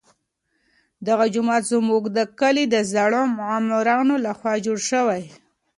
دغه جومات زموږ د کلي د زړو معمارانو لخوا جوړ شوی.